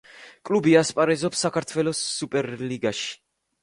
კლუბი ასპარეზობს საქართველოს სუპერლიგაში.